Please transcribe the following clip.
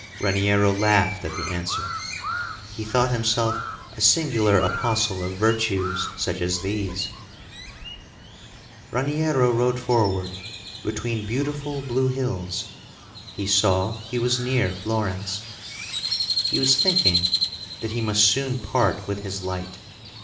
Raniero laughed at the answer. He thought himself a singular apostle of virtues such as these. Raniero rode forward between beautiful blue hills. He saw he was near Florence. He was thinking that he must soon part with his light.